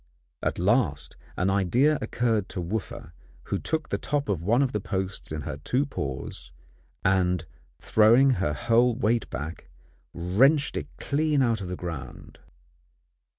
At last an idea occurred to Wooffa, who took the top of one of the posts in her two paws, and throwing, her whole weight back, wrenched it clean out of the ground.